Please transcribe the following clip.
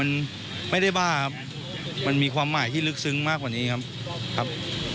แต่สำหรับผมมันไม่ได้บ้าครับมันมีความหมายที่ลึกซึ้งมากกว่านี้ครับ